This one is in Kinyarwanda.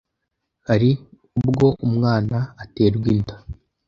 Hari ubwo umwana aterwa inda